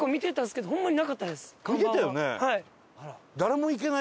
はい。